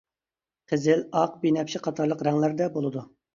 قىزىل، ئاق، بىنەپشە قاتارلىق رەڭلەردە بولىدۇ.